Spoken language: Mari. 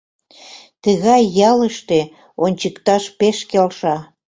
Тыгай ялыште ончыкташ пеш келша.